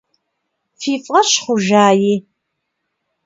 Фи фӀэщ хъужаи.